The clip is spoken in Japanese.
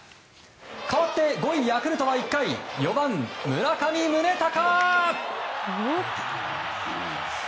かわって、５位ヤクルトは１回４番、村上宗隆。